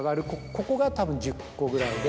ここがたぶん１０個ぐらいで。